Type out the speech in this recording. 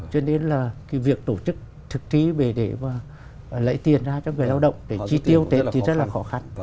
cho nên là cái việc tổ chức thực trí để lấy tiền ra cho người lao động để chi tiêu tết thì rất là khó khăn